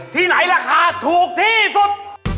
ที่ไหนราคาถูกที่สุด